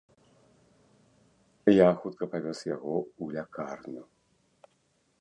Я хутка павёз яго ў лякарню.